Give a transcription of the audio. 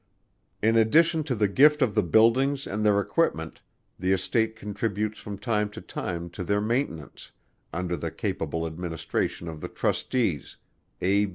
In addition to the gift of the buildings and their equipment, the estate contributes from time to time to their maintenance, under the capable administration of the trustees, A.